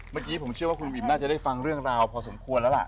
เมื่อกี้ผมเชื่อว่าคุณวิมน่าจะได้ฟังเรื่องราวพอสมควรแล้วล่ะ